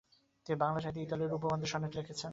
তিনি বাংলা সাহিত্যে ইতালিয় রূপবন্ধের সনেট লিখেছেন।